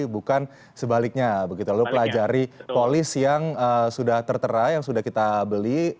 bukan sebaliknya begitu lalu pelajari polis yang sudah tertera yang sudah kita beli